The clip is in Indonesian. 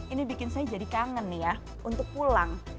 ini bikin saya jadi kangen nih ya untuk pulang